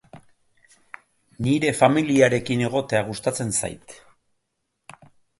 Nire familiarekin egotea gustatzen zait.